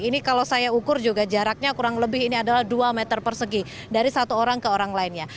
ini kalau saya ukur juga jaraknya kurang lebih ini adalah dua meter persegi dari satu orang ke orang lainnya